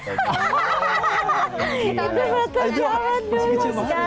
udah makanya jangan dong